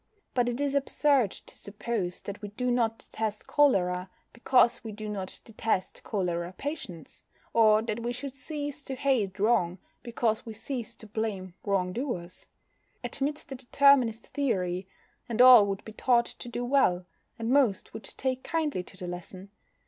But it is absurd to suppose that we do not detest cholera because we do not detest cholera patients, or that we should cease to hate wrong because we ceased to blame wrong doers. Admit the Determinist theory, and all would be taught to do well, and most would take kindly to the lesson.